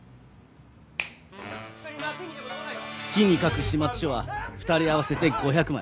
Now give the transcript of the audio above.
月に書く始末書は２人合わせて５００枚。